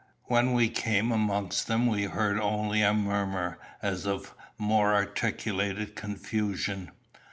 When we came amongst them we heard only a murmur as of more articulated confusion.